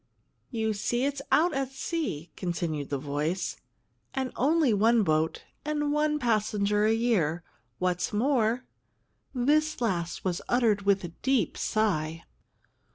"You see, it's out at sea," continued the voice; "and only one boat and one passenger a year. What's more " This last was uttered with a deep sigh.